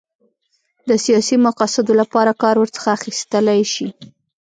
د سیاسي مقاصدو لپاره کار ورڅخه اخیستلای شي.